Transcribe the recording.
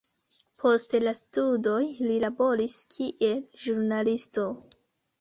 Post la studoj li laboris kiel ĵurnalisto.